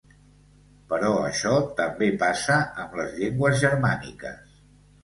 Però això també passa amb les llengües germàniques.